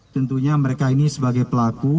tentunya mereka ini sebagai pelaku